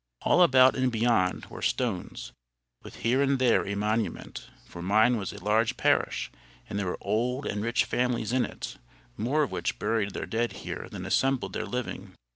All about and beyond were stones, with here and there a monument; for mine was a large parish, and there were old and rich families in it, more of which buried their dead here than assembled their living.